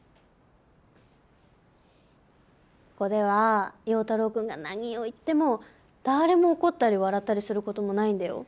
ここでは陽太郎くんが何を言っても誰も怒ったり笑ったりする事もないんだよ。